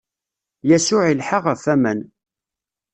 Yasuɛ ilḥa ɣef waman.